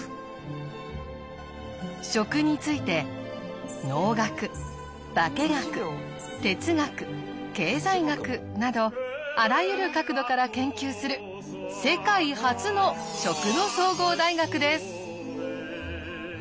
食について農学化学哲学経済学などあらゆる角度から研究する世界初の食の総合大学です。